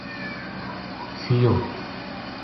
سیؤ